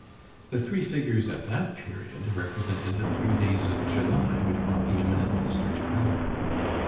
The three figures at that period represented the three days of July which brought the eminent minister to power.